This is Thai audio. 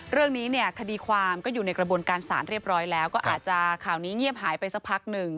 เรื่องนี้เนี่ยคดีความก็อยู่ในกระบวนการศาลเรียบร้อยแล้วก็อาจจะข่าวนี้เงียบหายไปสักพักหนึ่ง